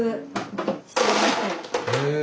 へえ。